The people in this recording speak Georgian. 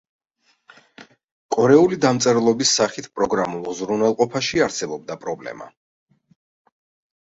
კორეული დამწერლობის სახით პროგრამულ უზრუნველყოფაში არსებობდა პრობლემა.